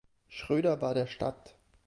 Schröder war der Stadt.